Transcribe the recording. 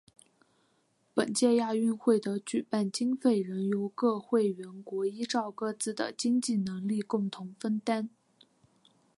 本届亚运会的举办经费仍由各会员国依照各自的经济能力共同分担。